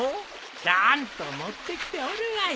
ちゃんと持ってきておるわい。